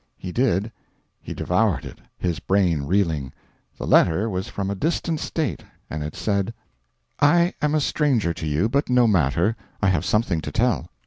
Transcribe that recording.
He did. He devoured it, his brain reeling. The letter was from a distant State, and it said: "I am a stranger to you, but no matter: I have something to tell.